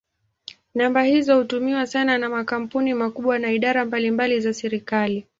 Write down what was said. Namba hizo hutumiwa sana na makampuni makubwa na idara mbalimbali za serikali.